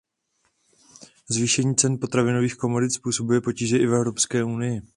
Zvýšení cen potravinových komodit způsobuje potíže i Evropské unii.